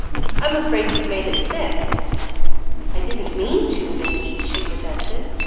"I'm afraid you've made it sick!" "I didn't mean to Mickey!" she protested.